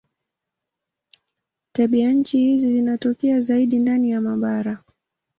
Tabianchi hizi zinatokea zaidi ndani ya mabara.